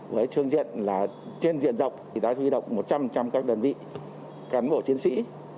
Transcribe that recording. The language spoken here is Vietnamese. với trương diện trên diện rộng đã huy động một trăm linh các đơn vị cán bộ chiến sĩ